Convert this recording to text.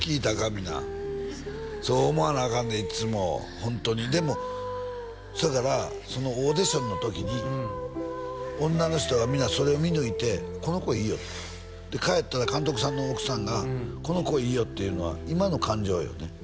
皆そう思わなアカンでいっつもホントにでもそやからそのオーディションの時に女の人が皆それを見抜いてこの子いいよとで帰ったら監督さんの奥さんがこの子いいよっていうのは今の感情よね